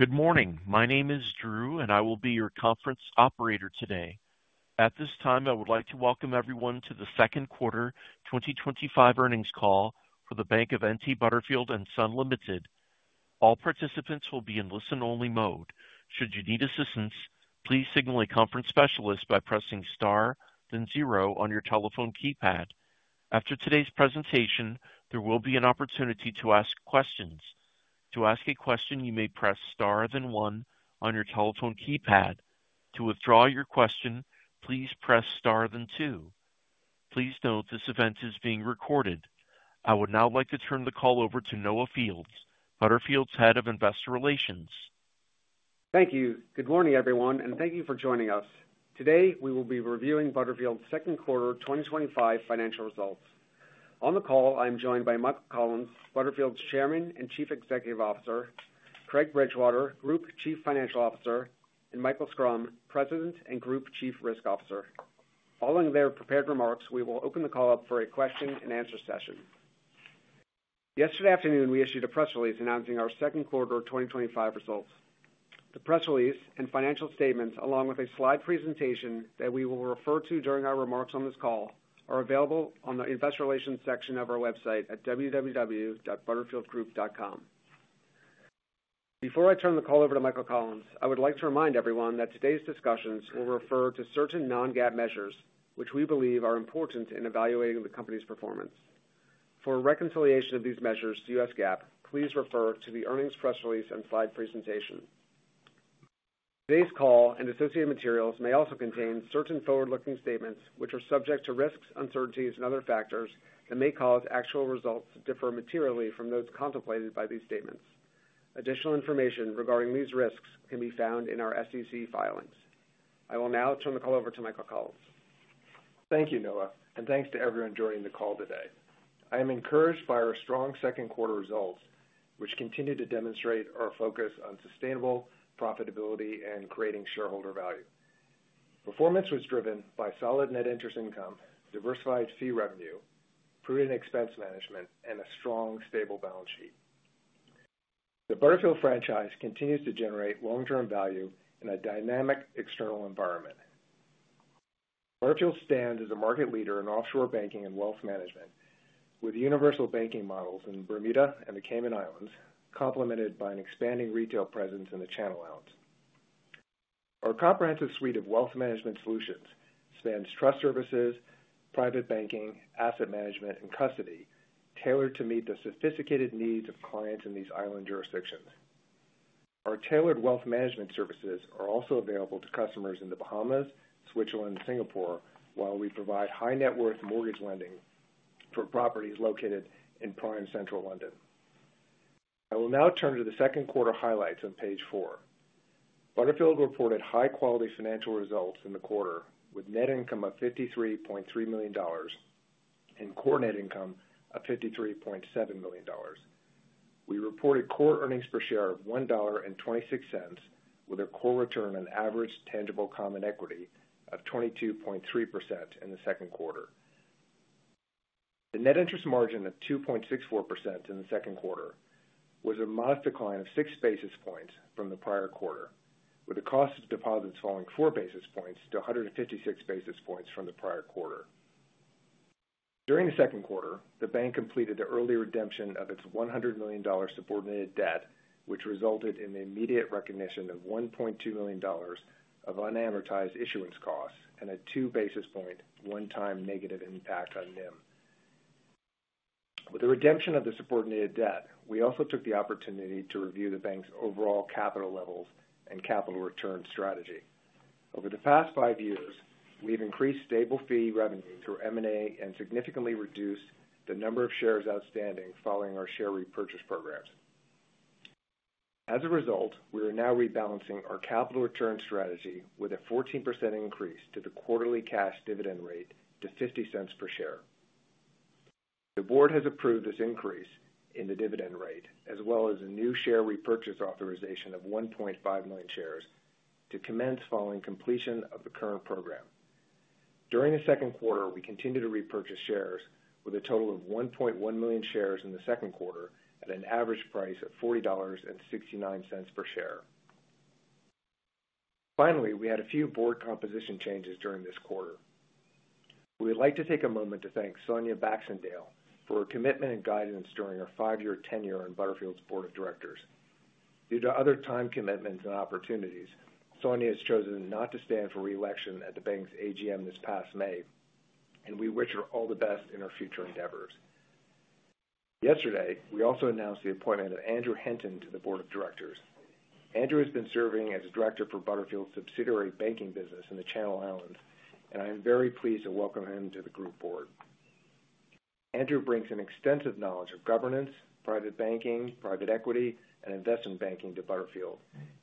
Good morning. My name is Drew, and I will be your conference operator today. At this time, I would like to welcome everyone to the Second Quarter 2025 Earnings Call for The Bank of N.T. Butterfield & Son Limited. All participants will be in listen-only mode. Should you need assistance, please signal a conference specialist by pressing *, then zero on your telephone keypad. After today's presentation, there will be an opportunity to ask questions. To ask a question, you may press *, then one on your telephone keypad. To withdraw your question, please press *, then two. Please note this event is being recorded. I would now like to turn the call over to Noah Fields, Butterfield's Head of Investor Relations. Thank you. Good morning, everyone, and thank you for joining us. Today, we will be reviewing Butterfield's second quarter 2025 financial results. On the call, I am joined by Michael Collins, Butterfield's Chairman and Chief Executive Officer, Craig Bridgewater, Group Chief Financial Officer, and Michael Schrum, President and Group Chief Risk Officer. Following their prepared remarks, we will open the call up for a question-and-answer session. Yesterday afternoon, we issued a press release announcing our second quarter 2025 results. The press release and financial statements, along with a slide presentation that we will refer to during our remarks on this call, are available on the investor relations section of our website at www.butterfieldgroup.com. Before I turn the call over to Michael Collins, I would like to remind everyone that today's discussions will refer to certain non-GAAP measures, which we believe are important in evaluating the company's performance. For reconciliation of these measures to U.S. GAAP, please refer to the earnings press release and slide presentation. Today's call and associated materials may also contain certain forward-looking statements, which are subject to risks, uncertainties, and other factors that may cause actual results to differ materially from those contemplated by these statements. Additional information regarding these risks can be found in our SEC filings. I will now turn the call over to Michael Collins. Thank you, Noah, and thanks to everyone joining the call today. I am encouraged by our strong second quarter results, which continue to demonstrate our focus on sustainable profitability and creating shareholder value. Performance was driven by solid net interest income, diversified fee revenue, prudent expense management, and a strong, stable balance sheet. The Butterfield franchise continues to generate long-term value in a dynamic external environment. Butterfield stands as a market leader in offshore banking and wealth management, with universal banking models in Bermuda and the Cayman Islands, complemented by an expanding retail presence in the Channel Islands. Our comprehensive suite of wealth management solutions spans trust services, private banking, asset management, and custody, tailored to meet the sophisticated needs of clients in these island jurisdictions. Our tailored wealth management services are also available to customers in the Bahamas, Switzerland, and Singapore, while we provide high net worth mortgage lending for properties located in prime central London. I will now turn to the second quarter highlights on page four. Butterfield reported high-quality financial results in the quarter, with net income of $53.3 million and core net income of $53.7 million. We reported core earnings per share of $1.26, with a core return on average tangible common equity of 22.3% in the second quarter. The net interest margin of 2.64% in the second quarter was a modest decline of six basis points from the prior quarter, with the cost of deposits falling four basis points to 156 basis points from the prior quarter. During the second quarter, the bank completed the early redemption of its $100 million subordinated debt, which resulted in the immediate recognition of $1.2 million of unamortized issuance costs and a two-basis point one-time negative impact on NIM. With the redemption of the subordinated debt, we also took the opportunity to review the bank's overall capital levels and capital return strategy. Over the past five years, we've increased stable fee revenue through M&A and significantly reduced the number of shares outstanding following our share repurchase programs. As a result, we are now rebalancing our capital return strategy with a 14% increase to the quarterly cash dividend rate to $0.50 per share. The board has approved this increase in the dividend rate, as well as a new share repurchase authorization of 1.5 million shares to commence following completion of the current program. During the second quarter, we continue to repurchase shares with a total of 1.1 million shares in the second quarter at an average price of $40.69 per share. Finally, we had a few board composition changes during this quarter. We would like to take a moment to thank Sonia Baxendale for her commitment and guidance during her five-year tenure on Butterfield's board of directors. Due to other time commitments and opportunities, Sonia has chosen not to stand for reelection at the bank's AGM this past May, and we wish her all the best in her future endeavors. Yesterday, we also announced the appointment of Andrew Henton to the board of directors. Andrew has been serving as a director for Butterfield's subsidiary banking business in the Channel Islands, and I am very pleased to welcome him to the group board. Andrew brings an extensive knowledge of governance, private banking, private equity, and investment banking to Butterfield,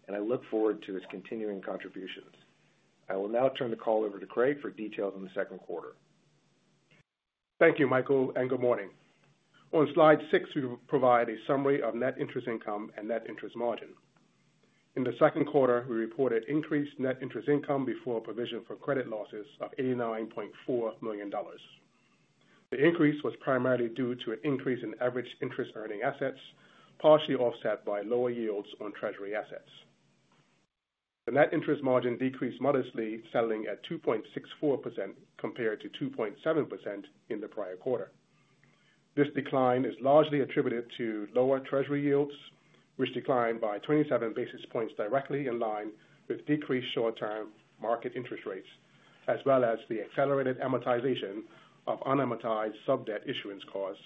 and I look forward to his continuing contributions. I will now turn the call over to Craig for details on the second quarter. Thank you, Michael, and good morning. On slide six, we provide a summary of net interest income and net interest margin. In the second quarter, we reported increased net interest income before provision for credit losses of $89.4 million. The increase was primarily due to an increase in average interest-earning assets, partially offset by lower yields on treasury assets. The net interest margin decreased modestly, settling at 2.64% compared to 2.7% in the prior quarter. This decline is largely attributed to lower Treasury yields, which declined by 27 basis points directly in line with decreased short-term market interest rates, as well as the accelerated amortization of unamortized subordinated debt issuance costs,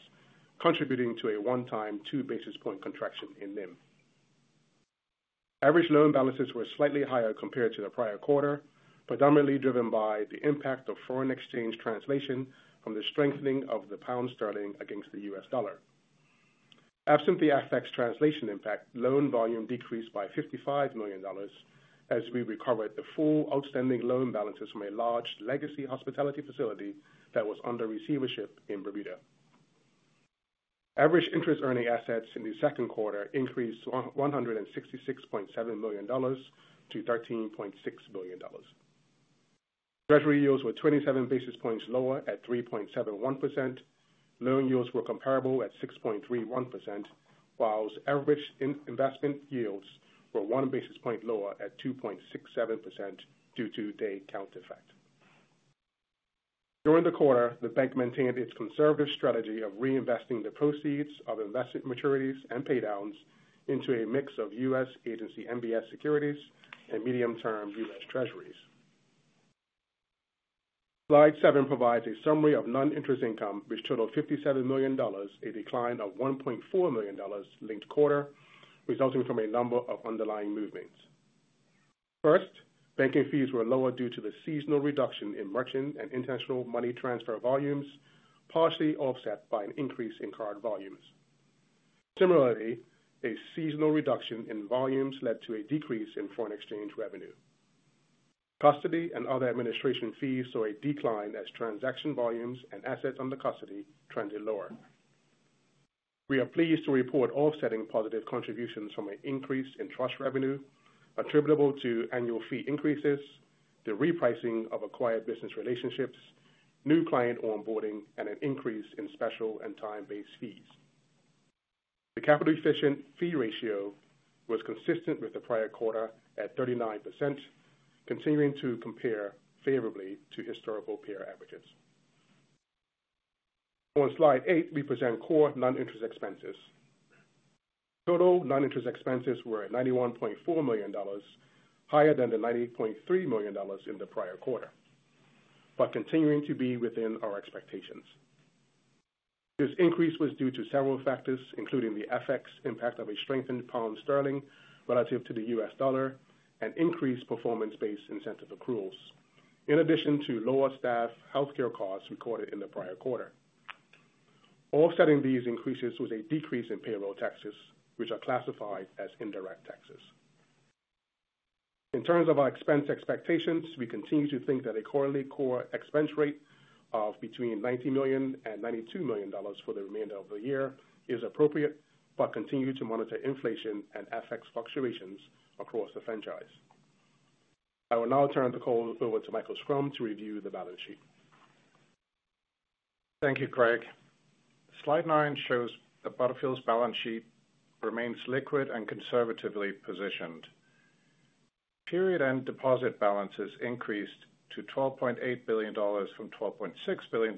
contributing to a one-time two basis point contraction in NIM. Average loan balances were slightly higher compared to the prior quarter, predominantly driven by the impact of foreign exchange translation from the strengthening of the pound sterling against the U.S. dollar. Absent the effects of translation impact, loan volume decreased by $55 million as we recovered the full outstanding loan balances from a large legacy hospitality facility that was under receivership in Bermuda. Average interest-earning assets in the second quarter increased from $12.7 billion-$13.6 billion. Treasury yields were 27 basis points lower at 3.71%. Loan yields were comparable at 6.31%, whilst average investment yields were one basis point lower at 2.67% due to day count effect. During the quarter, the bank maintained its conservative strategy of reinvesting the proceeds of investment maturities and paydowns into a mix of U.S. agency mortgage-backed securities and medium-term U.S. treasuries. Slide seven provides a summary of non-interest income, which totaled $57 million, a decline of $1.4 million linked quarter, resulting from a number of underlying movements. First, banking fees were lower due to the seasonal reduction in merchant and international money transfer volumes, partially offset by an increase in card volumes. Similarly, a seasonal reduction in volumes led to a decrease in foreign exchange revenue. Custody and other administration fees saw a decline as transaction volumes and assets under custody trended lower. We are pleased to report offsetting positive contributions from an increase in trust revenue attributable to annual fee increases, the repricing of acquired business relationships, new client onboarding, and an increase in special and time-based fees. The capital efficient fee ratio was consistent with the prior quarter at 39%, continuing to compare favorably to historical peer averages. On slide eight, we present core non-interest expenses. Total non-interest expenses were at $91.4 million, higher than the $90.3 million in the prior quarter, but continuing to be within our expectations. This increase was due to several factors, including the impact of a strengthened pound sterling relative to the U.S. dollar and increased performance-based incentive accruals, in addition to lower staff healthcare costs recorded in the prior quarter. Offsetting these increases was a decrease in payroll taxes, which are classified as indirect taxes. In terms of our expense expectations, we continue to think that a quarterly core expense rate of between $90 million and $92 million for the remainder of the year is appropriate, and continue to monitor inflation and FX fluctuations across the franchise. I will now turn the call over to Michael Schrum to review the balance sheet. Thank you, Craig. Slide nine shows that Butterfield's balance sheet remains liquid and conservatively positioned. Period-end deposit balances increased to $12.8 billion from $12.6 billion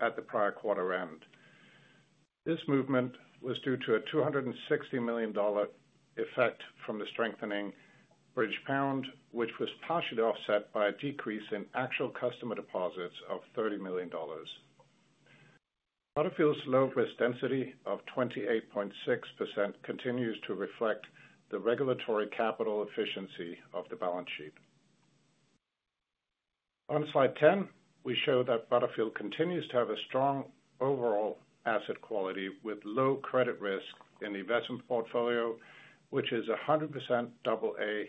at the prior quarter end. This movement was due to a $260 million effect from the strengthening British pound, which was partially offset by a decrease in actual customer deposits of $30 million. Butterfield's low risk density of 28.6% continues to reflect the regulatory capital efficiency of the balance sheet. On slide ten, we show that Butterfield continues to have a strong overall asset quality with low credit risk in the investment portfolio, which is 100% AA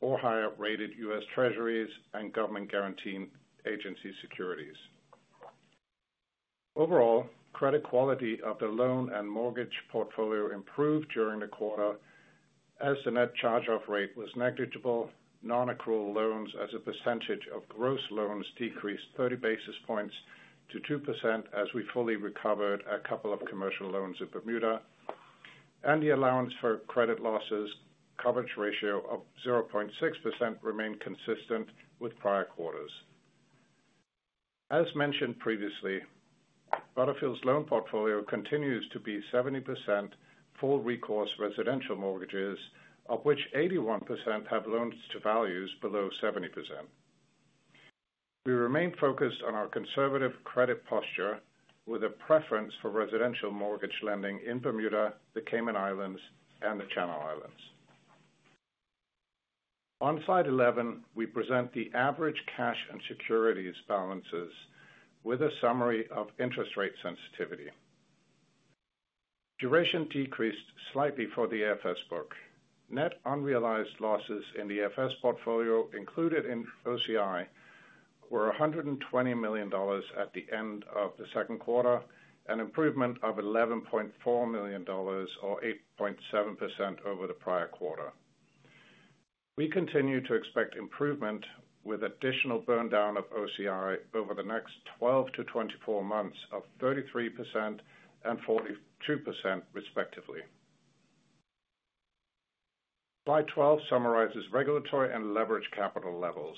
or higher rated U.S. Treasuries and government guaranteed agency securities. Overall, credit quality of the loan and mortgage portfolio improved during the quarter as the net charge-off rate was negligible. Non-accrual loans, as a percentage of gross loans, decreased 30 basis points to 2% as we fully recovered a couple of commercial loans in Bermuda, and the allowance for credit losses coverage ratio of 0.6% remained consistent with prior quarters. As mentioned previously, Butterfield's loan portfolio continues to be 70% for recourse residential mortgages, of which 81% have loans to values below 70%. We remain focused on our conservative credit posture with a preference for residential mortgage lending in Bermuda, the Cayman Islands, and the Channel Islands. On slide 11, we present the average cash and securities balances with a summary of interest rate sensitivity. Duration decreased slightly for the FS book. Net unrealized losses in the FS portfolio included in OCI were $120 million at the end of the second quarter, an improvement of $11.4 million or 8.7% over the prior quarter. We continue to expect improvement with additional burn down of OCI over the next 12-24 months of 33% and 42% respectively. Slide 12 summarizes regulatory and leveraged capital levels.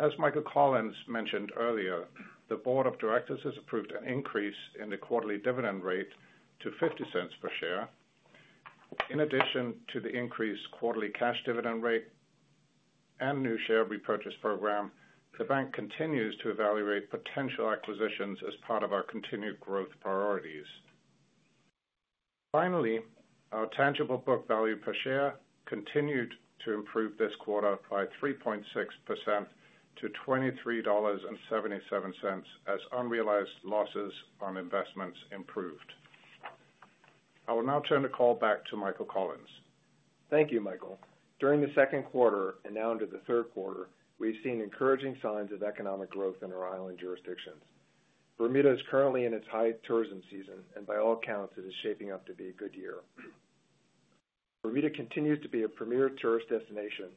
As Michael Collins mentioned earlier, the Board of Directors has approved an increase in the quarterly dividend rate to $0.50 per share. In addition to the increased quarterly cash dividend rate and new share repurchase program, the bank continues to evaluate potential acquisitions as part of our continued growth priorities. Finally, our tangible book value per share continued to improve this quarter by 3.6% to $23.77, as unrealized losses on investments improved. I will now turn the call back to Michael Collins. Thank you, Michael. During the second quarter and now into the third quarter, we've seen encouraging signs of economic growth in our island jurisdictions. Bermuda is currently in its high tourism season, and by all accounts, it is shaping up to be a good year. Bermuda continues to be a premier tourist destination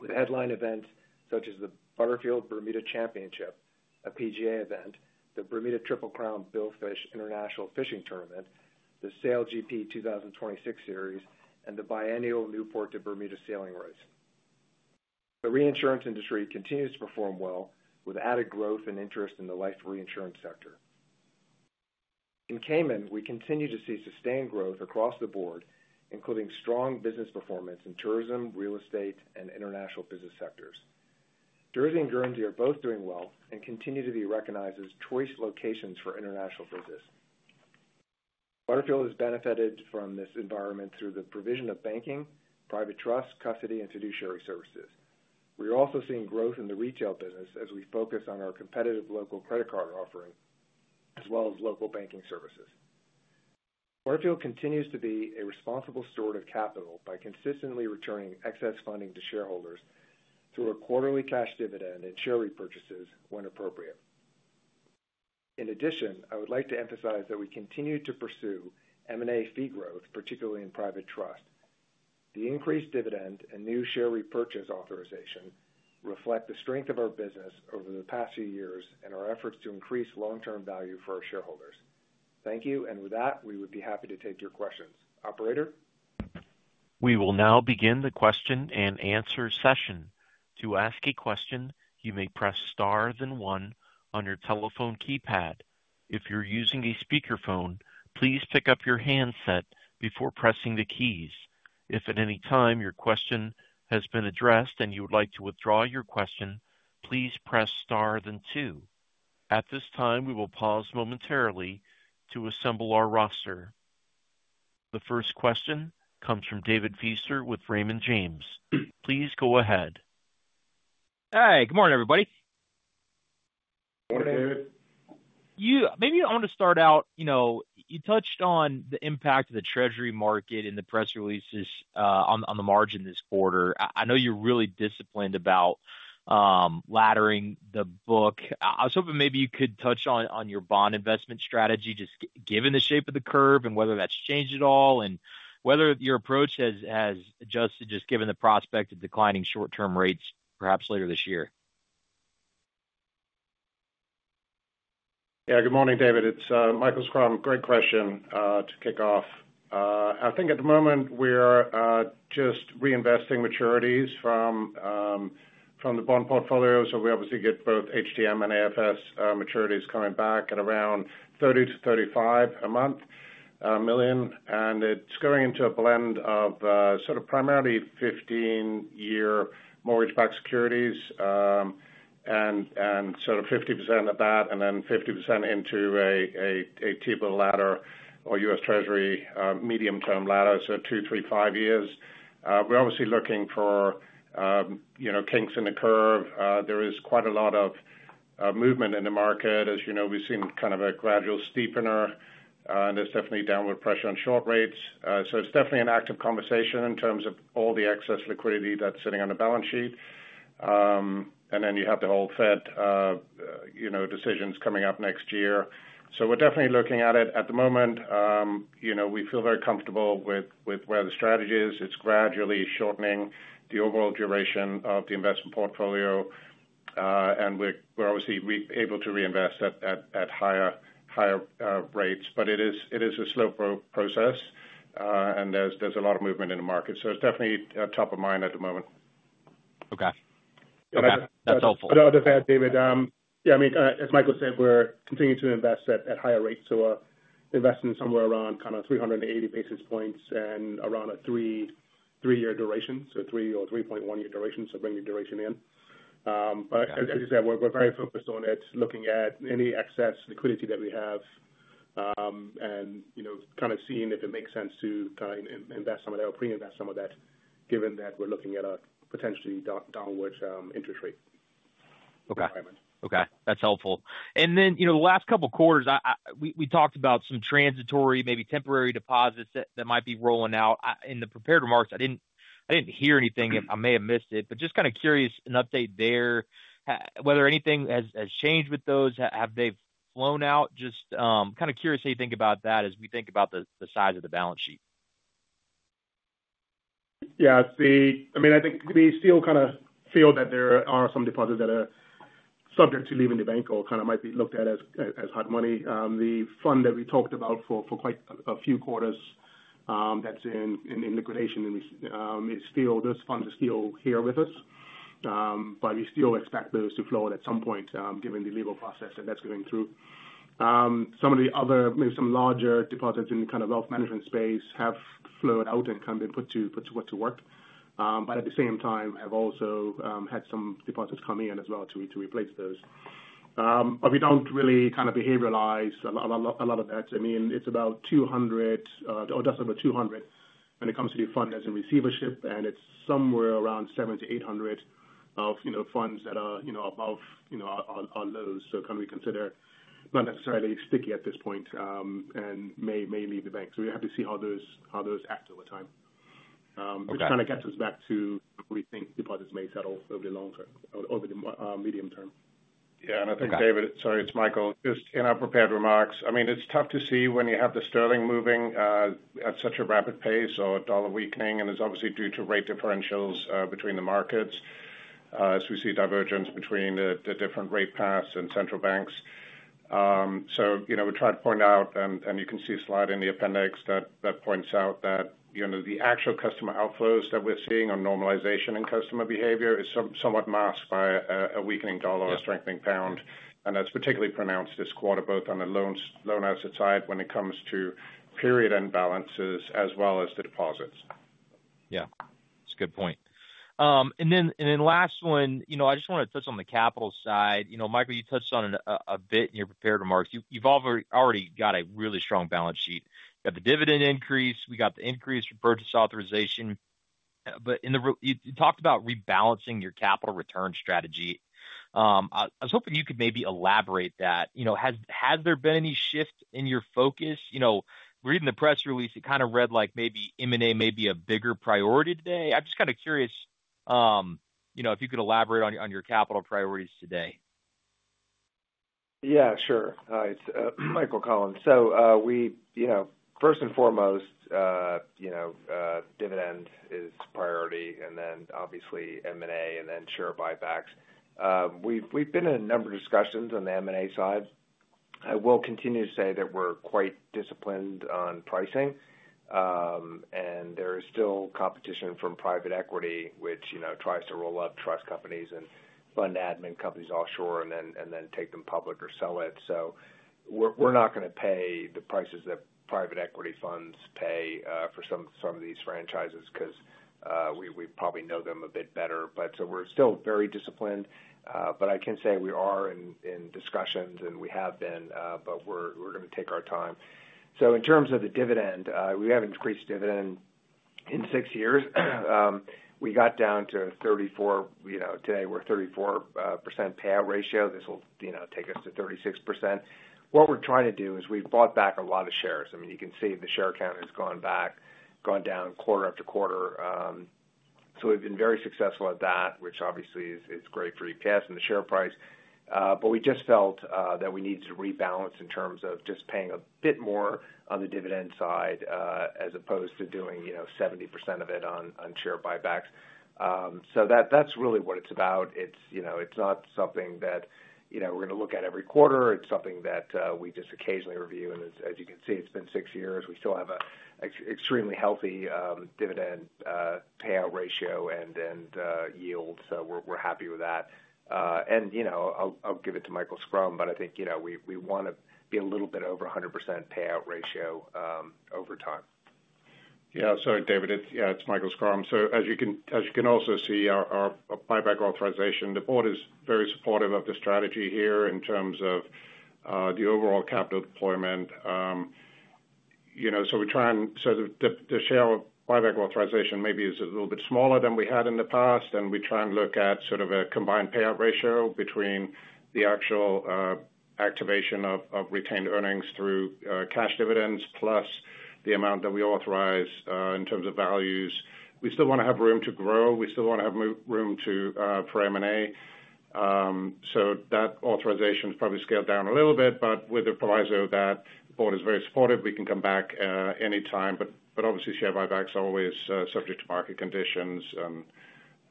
with headline events such as the Butterfield Bermuda Championship, a PGA event, the Bermuda Triple Crown Billfish International Fishing Tournament, the SailGP 2026 Series, and the biennial Newport to Bermuda Sailing Race. The reinsurance industry continues to perform well with added growth and interest in the life reinsurance sector. In Cayman, we continue to see sustained growth across the board, including strong business performance in tourism, real estate, and international business sectors. Jersey and Guernsey are both doing well and continue to be recognized as choice locations for international business. Butterfield has benefited from this environment through the provision of banking, private trust, custody, and fiduciary services. We are also seeing growth in the retail business as we focus on our competitive local credit card offering, as well as local banking services. Butterfield continues to be a responsible steward of capital by consistently returning excess funding to shareholders through a quarterly cash dividend and share repurchases when appropriate. In addition, I would like to emphasize that we continue to pursue M&A fee growth, particularly in private trust. The increased dividend and new share repurchase authorization reflect the strength of our business over the past few years and our efforts to increase long-term value for our shareholders. Thank you, and with that, we would be happy to take your questions. Operator? We will now begin the question and answer session. To ask a question, you may press *, then one on your telephone keypad. If you're using a speakerphone, please pick up your handset before pressing the keys. If at any time your question has been addressed and you would like to withdraw your question, please press *, then two. At this time, we will pause momentarily to assemble our roster. The first question comes from David Feaster with Raymond James. Please go ahead. Hey, good morning, everybody. Morning, David. Maybe I want to start out, you know, you touched on the impact of the Treasury market in the press releases on the margin this quarter. I know you're really disciplined about laddering the book. I was hoping maybe you could touch on your bond investment strategy, just given the shape of the curve and whether that's changed at all and whether your approach has adjusted, just given the prospect of declining short-term rates perhaps later this year. Yeah, good morning, David. It's Michael Schrum. Great question to kick off. I think at the moment we're just reinvesting maturities from the bond portfolio. We obviously get both HTM and AFS maturities coming back at around $30 million-$35 million a month, and it's going into a blend of sort of primarily 15-year mortgage-backed securities, about 50% of that, and then 50% into a T-bill ladder or U.S. Treasury medium-term ladder, so two, three, five years. We're obviously looking for kinks in the curve. There is quite a lot of movement in the market. As you know, we've seen kind of a gradual steepener, and there's definitely downward pressure on short rates. It's definitely an active conversation in terms of all the excess liquidity that's sitting on the balance sheet. You have the whole Fed decisions coming up next year. We're definitely looking at it. At the moment, we feel very comfortable with where the strategy is. It's gradually shortening the overall duration of the investment portfolio, and we're obviously able to reinvest at higher rates. It is a slow process, and there's a lot of movement in the market. It's definitely top of mind at the moment. Okay, that's helpful. To that, David, yeah, I mean, as Michael said, we're continuing to invest at higher rates. We're investing somewhere around 380 basis points and around a three-year duration, so three or 3.1-year duration. We bring the duration in. As you said, we're very focused on it, looking at any excess liquidity that we have and seeing if it makes sense to invest some of that or pre-invest some of that, given that we're looking at a potentially downward interest rate. Okay, that's helpful. The last couple of quarters, we talked about some transitory, maybe temporary deposits that might be rolling out. In the prepared remarks, I didn't hear anything. I may have missed it, but just kind of curious an update there, whether anything has changed with those. Have they flown out? Just kind of curious how you think about that as we think about the size of the balance sheet. Yeah, I see. I mean, I think we still kind of feel that there are some deposits that are subject to leaving the bank or might be looked at as hard money. The fund that we talked about for quite a few quarters that's in liquidation is still, those funds are still here with us, but we still expect those to flow at some point, given the legal process that that's going through. Some of the other, maybe some larger deposits in the wealth management space have flowed out and been put to work, but at the same time, have also had some deposits come in as well to replace those. We don't really behavioralize a lot of that. I mean, it's about $200 million or just over $200 million when it comes to the fund as a receivership, and it's somewhere around $700 million-$800 million of funds that are above our loads. We consider not necessarily sticky at this point and may leave the bank. We have to see how those act over time, which gets us back to, we think deposits may settle over the long term, over the medium term. Yeah, and I think David, sorry, it's Michael. Just in our prepared remarks, I mean, it's tough to see when you have the sterling moving at such a rapid pace or dollar weakening, and it's obviously due to rate differentials between the markets as we see divergence between the different rate paths and central banks. We try to point out, and you can see a slide in the appendix that points out that the actual customer outflows that we're seeing on normalization in customer behavior is somewhat masked by a weakening dollar or strengthening pound. That's particularly pronounced this quarter, both on the loan asset side when it comes to period end balances as well as the deposits. Yeah, that's a good point. Last one, I just want to touch on the capital side. Michael, you touched on it a bit in your prepared remarks. You've already got a really strong balance sheet. We've got the dividend increase, we got the increased purchase authorization. You talked about rebalancing your capital return strategy. I was hoping you could maybe elaborate on that. Has there been any shift in your focus? Reading the press release, it kind of read like maybe M&A may be a bigger priority today. I'm just kind of curious if you could elaborate on your capital priorities today. Yeah, sure. It's Michael Collins. First and foremost, dividend is priority, and then obviously M&A and then share buybacks. We've been in a number of discussions on the M&A side. I will continue to say that we're quite disciplined on pricing, and there is still competition from private equity, which tries to roll up trust companies and fund admin companies offshore and then take them public or sell it. We're not going to pay the prices that private equity funds pay for some of these franchises because we probably know them a bit better. We're still very disciplined. I can say we are in discussions and we have been, but we're going to take our time. In terms of the dividend, we haven't increased dividend in six years. We got down to 34%, today we're at 34% payout ratio. This will take us to 36%. What we're trying to do is we've bought back a lot of shares. I mean, you can see the share count has gone down quarter after quarter. We've been very successful at that, which obviously is great for EPS and the share price. We just felt that we needed to rebalance in terms of just paying a bit more on the dividend side as opposed to doing 70% of it on share buybacks. That's really what it's about. It's not something that we're going to look at every quarter. It's something that we just occasionally review. As you can see, it's been six years. We still have an extremely healthy dividend payout ratio and yield. We're happy with that. I'll give it to Michael Schrum, but I think we want to be a little bit over 100% payout ratio over time. Yeah, sorry, David. Yeah, it's Michael Schrum. As you can also see, our buyback authorization, the board is very supportive of the strategy here in terms of the overall capital deployment. We try and sort of the share buyback authorization maybe is a little bit smaller than we had in the past, and we try and look at sort of a combined payout ratio between the actual activation of retained earnings through cash dividends plus the amount that we authorize in terms of values. We still want to have room to grow. We still want to have room for M&A. That authorization is probably scaled down a little bit, with the proviso that the board is very supportive, we can come back anytime. Obviously, share buybacks are always subject to market conditions.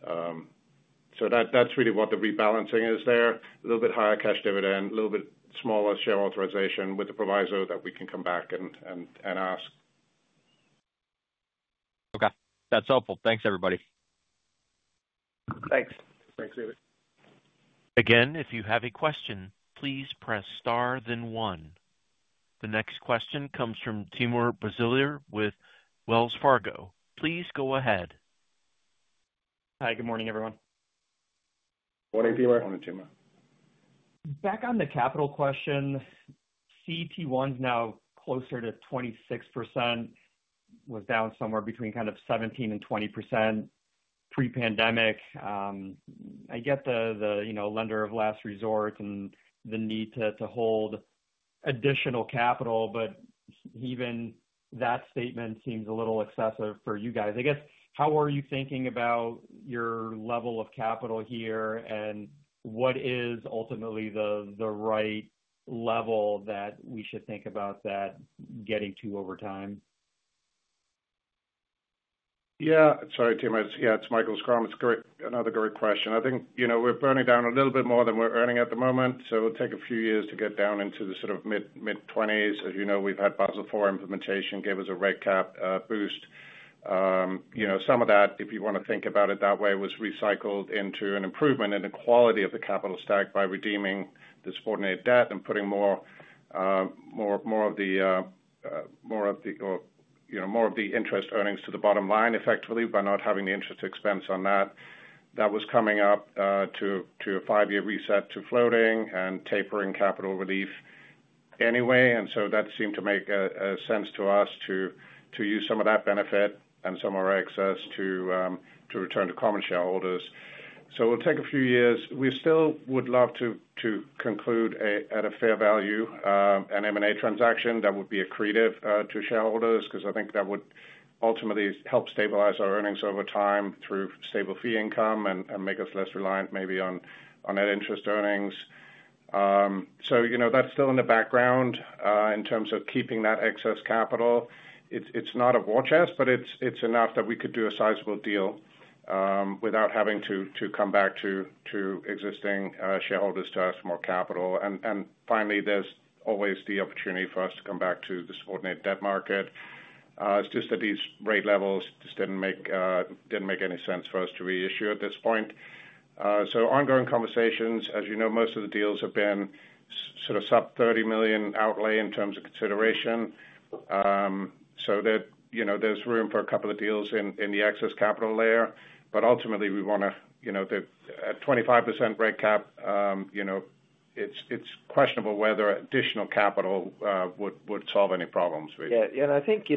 That's really what the rebalancing is there. A little bit higher cash dividend, a little bit smaller share authorization with the proviso that we can come back and ask. Okay, that's helpful. Thanks, everybody. Thanks. Thanks, David. Again, if you have a question, please press *, then one. The next question comes from Timur Braziler with Wells Fargo. Please go ahead. Hi, good morning, everyone. Morning, Timur. Morning, Timur. Back on the capital question, CET1 is now closer to 26%. It was down somewhere between kind of 17% and 20% pre-pandemic. I get the, you know, lender of last resort and the need to hold additional capital, but even that statement seems a little excessive for you guys. I guess, how are you thinking about your level of capital here and what is ultimately the right level that we should think about that getting to over time? Yeah, sorry, Timur. Yeah, it's Michael Schrum. It's another great question. I think we're burning down a little bit more than we're earning at the moment. It'll take a few years to get down into the sort of mid-20s. As you know, we've had Basel IV implementation give us a rate cap boost. Some of that, if you want to think about it that way, was recycled into an improvement in the quality of the capital stack by redeeming the subordinated debt and putting more of the interest earnings to the bottom line effectively by not having the interest expense on that. That was coming up to a five-year reset to floating and tapering capital relief anyway. That seemed to make sense to us to use some of that benefit and some of our excess to return to common shareholders. It'll take a few years. We still would love to conclude at a fair value an M&A transaction that would be accretive to shareholders because I think that would ultimately help stabilize our earnings over time through stable fee income and make us less reliant maybe on net interest earnings. That's still in the background in terms of keeping that excess capital. It's not a war chest, but it's enough that we could do a sizable deal without having to come back to existing shareholders to ask for more capital. Finally, there's always the opportunity for us to come back to the subordinated debt market. It's just that these rate levels just didn't make any sense for us to reissue at this point. Ongoing conversations, as you know, most of the deals have been sort of sub $30 million outlay in terms of consideration. There's room for a couple of deals in the excess capital layer. Ultimately, we want to, at 25% rate cap, it's questionable whether additional capital would solve any problems. I think,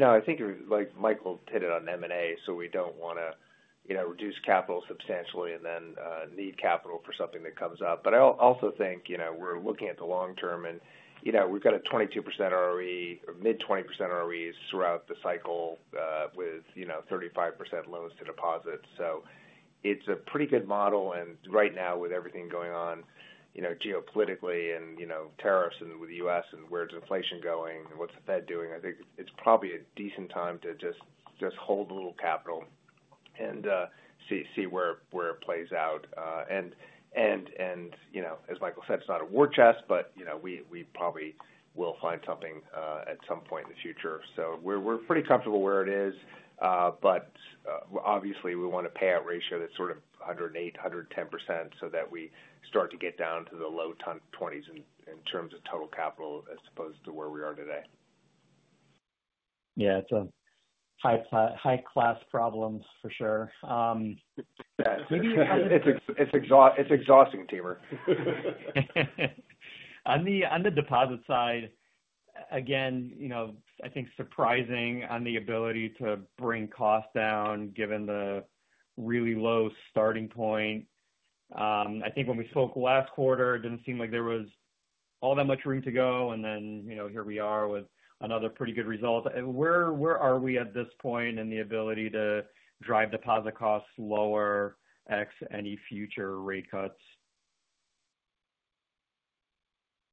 like Michael pointed on M&A, we don't want to reduce capital substantially and then need capital for something that comes up. I also think we're looking at the long term and we've got a 22% ROE or mid-20% ROEs throughout the cycle with 35% loans-to-deposits. It's a pretty good model. Right now, with everything going on geopolitically and tariffs and with the U.S. and where's inflation going and what's the Fed doing, I think it's probably a decent time to just hold a little capital and see where it plays out. As Michael said, it's not a war chest, but we probably will find something at some point in the future. We're pretty comfortable where it is, but obviously, we want a payout ratio that's sort of 108%, 110% so that we start to get down to the low 20s in terms of total capital as opposed to where we are today. Yeah, it's a high-class problem for sure. It's exhausting, Timur. On the deposit side, I think surprising on the ability to bring costs down given the really low starting point. I think when we spoke last quarter, it didn't seem like there was all that much room to go. Here we are with another pretty good result. Where are we at this point in the ability to drive deposit costs lower ex any future rate cuts?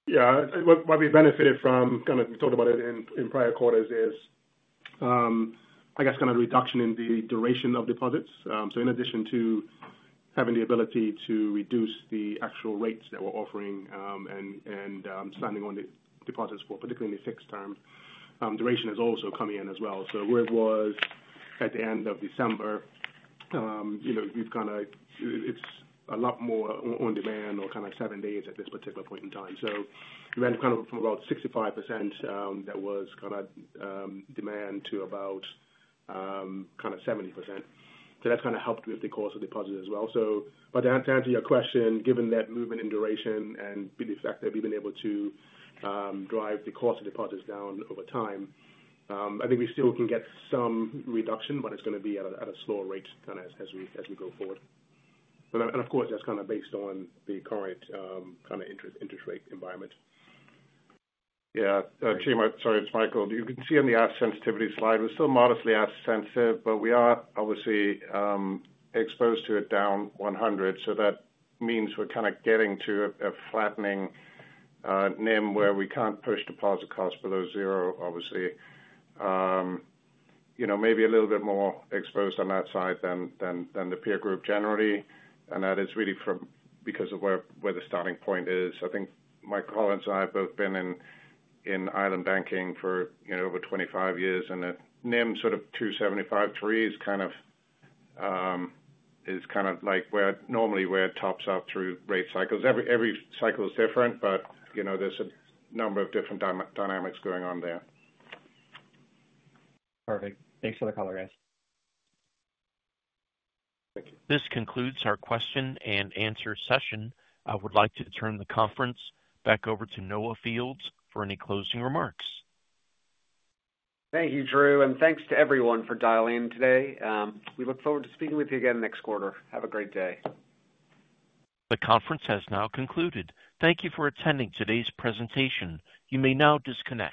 What we benefited from, kind of we talked about it in prior quarters, is I guess kind of reduction in the duration of deposits. In addition to having the ability to reduce the actual rates that we're offering and standing on the deposits for, particularly in the fixed term, duration is also coming in as well. Where it was at the end of December, you know, it's a lot more on demand or kind of seven days at this particular point in time. We went from about 65% that was demand to about 70%. That's helped with the cost of deposits as well. To answer your question, given that movement in duration and the fact that we've been able to drive the cost of deposits down over time, I think we still can get some reduction, but it's going to be at a slower rate as we go forward. Of course, that's based on the current interest rate environment. Yeah, Timur, sorry, it's Michael. You can see on the asset sensitivity slide, we're still modestly asset sensitive, but we are obviously exposed to a down 100. That means we're kind of getting to a flattening NIM where we can't push deposit costs below zero, obviously. Maybe a little bit more exposed on that side than the peer group generally. That is really because of where the starting point is. I think Michael Collins and I have both been in island banking for over 25 years. The NIM sort of 2.75%, 3% trees kind of is kind of like where normally where it tops out through rate cycles. Every cycle is different, but there's a number of different dynamics going on there. Perfect. Thanks for the call, guys. This concludes our question-and-answer session. I would like to turn the conference back over to Noah Fields for any closing remarks. Thank you, Drew, and thanks to everyone for dialing in today. We look forward to speaking with you again next quarter. Have a great day. The conference has now concluded. Thank you for attending today's presentation. You may now disconnect.